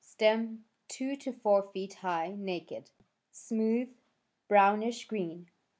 Stem two to four feet high— naked, smooth —brownish green.